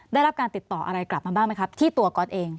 ได้รับการติดต่ออะไรกลับมาบ้างไหมครับที่ตัวก๊อตเอง